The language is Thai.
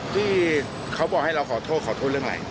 ที่เขาบอกให้เราขอโทษขอโทษเรื่องอะไร